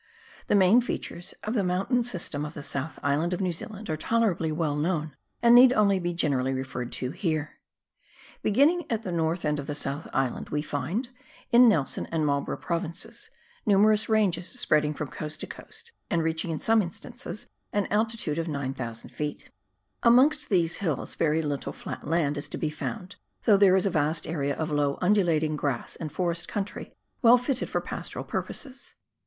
The main features of tlie mountain system of tlie Soutli Island of New Zealand are tolerably well known, and need only be generally referred to here. Beginning at the north end of the ^outh Island, we find, in Nelson and Marlborough Provinces, numerous ranges spreading from coast to coast and reaching in some instances an altitude of 9,000 ft. Amongst these hills very little flat land is to be found, though there is a vast area of low undulating grass and forest country well fitted for pastoral purposes.